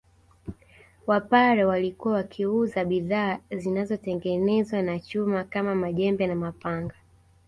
Wapare walikuwa wakiuza bidhaa zinazotengenezwa na chuma kama majembe na mapanga